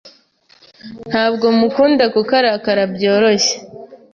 Ntabwo mukunda kuko arakara byoroshye.